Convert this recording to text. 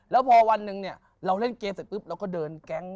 แล้วพอวันนึงเนี่ยเราเล่นเกมค่ะเราก็เดินแก๊ง